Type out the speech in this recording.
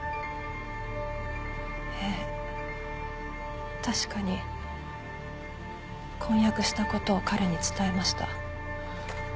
ええ確かに婚約したことを彼に伝えました。